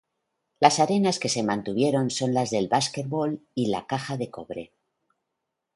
Las arenas que se mantuvieron son las de básquetbol y la Caja de Cobre.